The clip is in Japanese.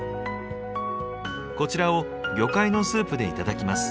こちらを魚介のスープで頂きます。